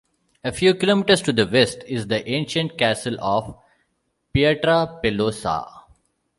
A few kilometers to the west is the ancient castle of Pietrapelosa.